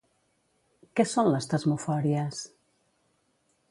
Què són les tesmofòries?